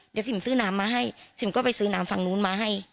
เดี๋ยวสิมซื้อน้ำมาให้ซิมก็ไปซื้อน้ำฝั่งนู้นมาให้